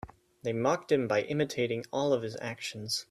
They mocked him by imitating all of his actions.